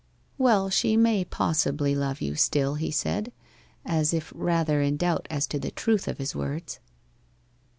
'Well, she may possibly love you still,' he said, as if rather in doubt as to the truth of his words.